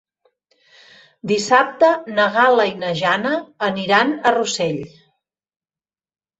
Dissabte na Gal·la i na Jana aniran a Rossell.